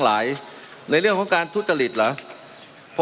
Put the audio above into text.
มันมีมาต่อเนื่องมีเหตุการณ์ที่ไม่เคยเกิดขึ้น